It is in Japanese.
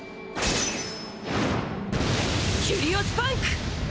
キュリオスパンク！